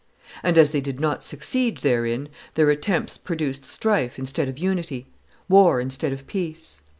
And as they did not succeed therein, their attempts produced strife instead of unity, war instead of peace.